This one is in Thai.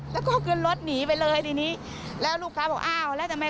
แล้วก็ขึ้นรถหนีไปเลยทีนี้แล้วลูกค้าบอกอ้าวแล้วทำไม